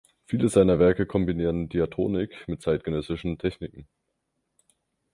Viele seiner Werke kombinieren Diatonik mit zeitgenössischen Techniken.